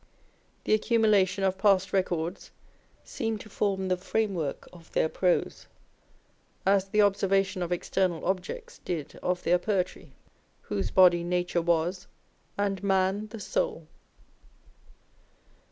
The accumulation of past records seemed to form the framework of their prose, as the observation of external objects did of their poetry Whose body nature was, and man the soul.